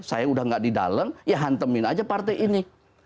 saya udah gak di dalam ya hantemin aja partai ini